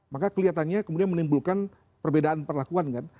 maka kelihatannya kemudian menimbulkan perbedaan perlakuan kan